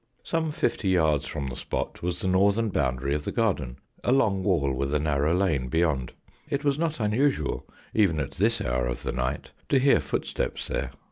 Some fifty yards from the spot was the northern boundary of the garden, a long wall with a narrow lane beyond. It was not unusual, even at this hour of the night, to hear footsteps there.